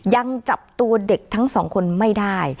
ยังจับตัวเด็กทั้งสองคนไม่ได้